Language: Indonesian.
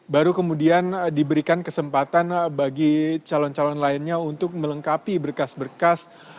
baru kemudian diberikan kesempatan bagi calon calon lainnya untuk melengkapi berkas berkas